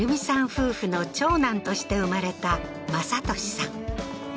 夫婦の長男として生まれた政利さん